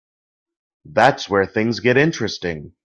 That's where things get interesting.